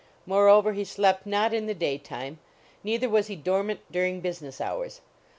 Moreover he slept not in the day time, neither was he dormant during business hours.